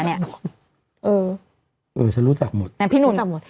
เพราะฉันรู้จักหมดรู้จักหมด